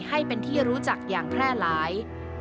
ให้เป็นที่รู้จักอย่างแพร่หลาย